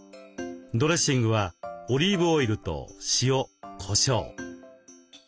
ドレッシングはオリーブオイルと塩こしょう。